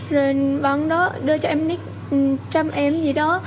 rồi ban đó đưa cho em nít trăm em gì đó